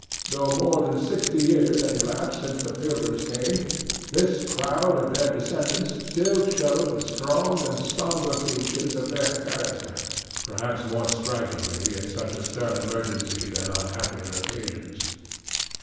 Though more than sixty years had elapsed since the Pilgrims came, this crowd of their descendants still showed the strong and sombre features of their character perhaps more strikingly in such a stern emergency than on happier occasions.